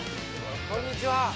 こんにちは。